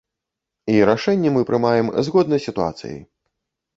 І рашэнні мы прымаем згодна з сітуацыяй.